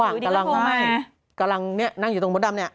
กำลังนั่งอยู่ตรงบนดำเนี่ย